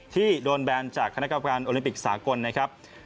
ที่โดนแบนจากคณะกรรมการโอลิมปิกสากลนะครับ